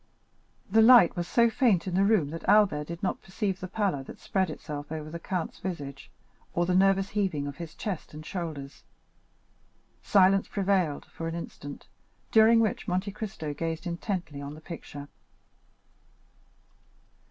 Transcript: The light was so faint in the room that Albert did not perceive the pallor that spread itself over the count's visage, or the nervous heaving of his chest and shoulders. Silence prevailed for an instant, during which Monte Cristo gazed intently on the picture.